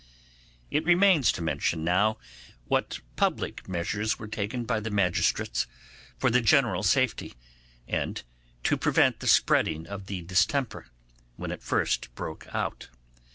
It remains to mention now what public measures were taken by the magistrates for the general safety, and to prevent the spreading of the distemper, when it first broke out.